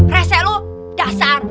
reset lu dasar